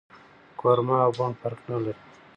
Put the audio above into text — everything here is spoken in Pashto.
کورمه او بوڼ فرق نه لري